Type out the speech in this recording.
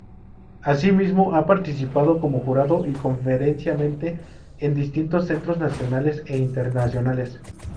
Asimismo, ha participado como jurado y conferenciante en distintos centros, nacionales e internacionales.